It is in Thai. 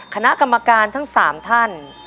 คณะกรรมการทั้ง๓ท่าน